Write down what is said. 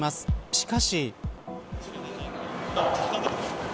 しかし。